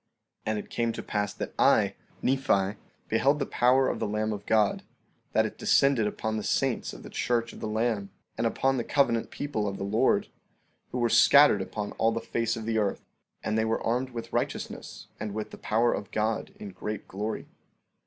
14:14 And it came to pass that I, Nephi, beheld the power of the Lamb of God, that it descended upon the saints of the church of the Lamb, and upon the covenant people of the Lord, who were scattered upon all the face of the earth; and they were armed with righteousness and with the power of God in great glory.